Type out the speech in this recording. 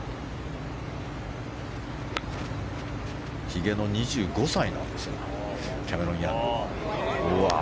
ひげの２５歳なんですがキャメロン・ヤング。